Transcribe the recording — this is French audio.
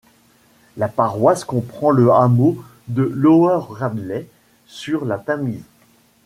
La paroisse comprend le hameau de Lower Radley sur la Tamise.